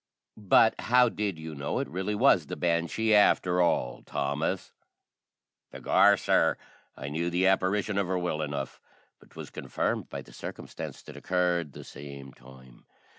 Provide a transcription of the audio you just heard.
"But how did you know it really was the banshee after all, Thomas?" "Begor, sir, I knew the apparation of her well enough; but 'twas confirmed by a sarcumstance that occurred the same time.